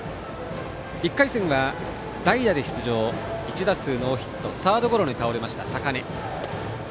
１回戦は代打で出場１打数ノーヒットサードゴロに倒れた坂根。